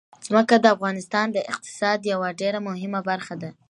ځمکه د افغانستان د اقتصاد یوه ډېره مهمه برخه ده.